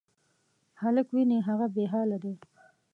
هلک وینې، هغه بېحاله دی.